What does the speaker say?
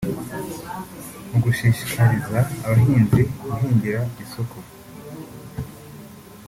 mu gushishikariza abahinzi guhingira isoko